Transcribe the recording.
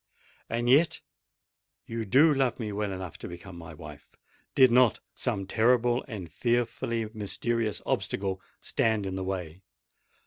And yet you do love me well enough to become my wife—did not some terrible and fearfully mysterious obstacle stand in the way.